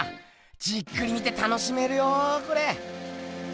じっくり見て楽しめるよこれ。